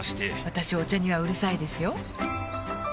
私お茶にはうるさいですよ